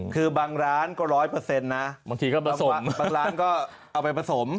คือบางร้านก็๑๐๐นะบางทีก็บางร้านก็เอาไปผสม